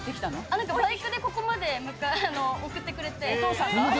なんかバイクでここまで送っお父さんが？